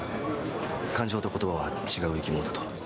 感情とことばは違う生き物だと。